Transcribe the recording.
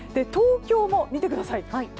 東京も見てください。